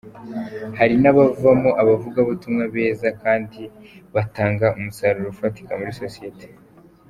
Hari n’abavamo abavugabutumwa beza kandi batanga umusaruro ufatika muri sosiyete.